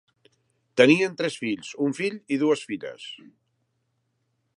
Tenien tres fills, un fill i dues filles.